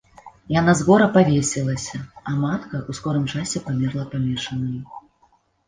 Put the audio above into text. Яна з гора павесілася, а матка ў скорым часе памерла памешанаю.